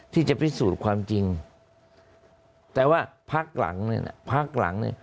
ที่จะพิสูจน์ความจริงแต่ว่าพักหลังเนี่ยนะพักหลังเนี่ย